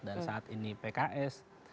dan saat ini pks